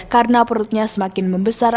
karena perutnya semakin membesar